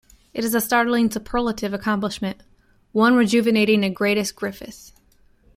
It is a startlingly superlative accomplishment; one rejuvenating a greatest Griffith.